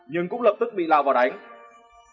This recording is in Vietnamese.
nhưng cũng lập tức bị lao vào đánh